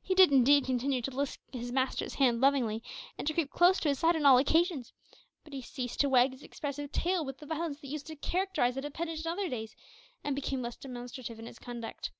He did, indeed, continue to lick his master's hand lovingly, and to creep close to his side on all occasions; but he ceased to wag his expressive tail with the violence that used to characterise that appendage in other days, and became less demonstrative in his conduct.